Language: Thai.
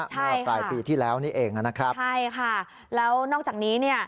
เมื่อปลายปีที่แล้วนี่เองนะครับใช่ค่ะแล้วนอกจากนี้เนี่ย